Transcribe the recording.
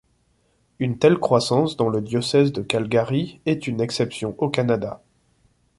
Une telle croissance dans le diocèse de Calgary est une exception au Canada.